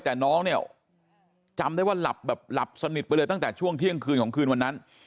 แต่น้องเนี่ยจำได้ว่าหลับแบบหลับสนิทไปเลยตั้งแต่ช่วงเที่ยงคืนของคืนวันนั้น